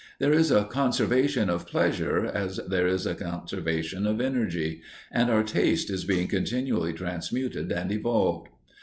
There is a conservation of pleasure as there is a conservation of energy, and our taste is being continually transmuted and evolved.